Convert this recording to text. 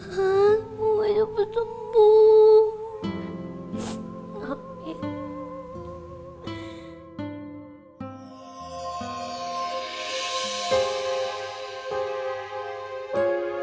haa mau aja bersembuh